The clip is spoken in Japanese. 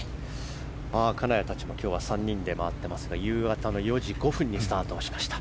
金谷たちも今日は３人で回っていますが夕方４時５分にスタートをしました。